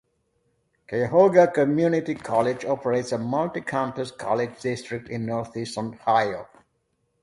Cuyahoga Community College operates a multi-campus college district in Northeast Ohio.